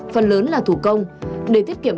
phần lớn là thủ công để thiết kiệm